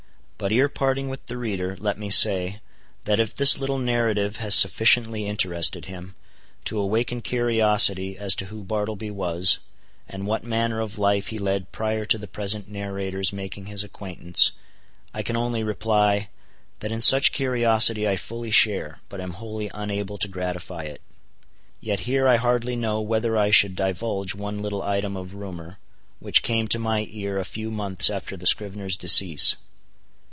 But ere parting with the reader, let me say, that if this little narrative has sufficiently interested him, to awaken curiosity as to who Bartleby was, and what manner of life he led prior to the present narrator's making his acquaintance, I can only reply, that in such curiosity I fully share, but am wholly unable to gratify it. Yet here I hardly know whether I should divulge one little item of rumor, which came to my ear a few months after the scrivener's decease.